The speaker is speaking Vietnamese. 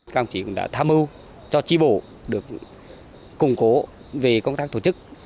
các đồng chí cũng đã tham mưu cho tri bộ được củng cố về công tác tổ chức